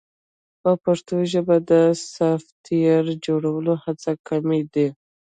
په پښتو ژبه د سافټویر جوړولو هڅې کمې دي.